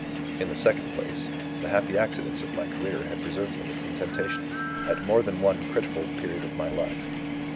In the second place, the happy accidents of my career had preserved me from temptation, at more than one critical period of my life.